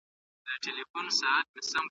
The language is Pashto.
په اسلامي شريعت کي توحيد په تفکر ولاړ دی.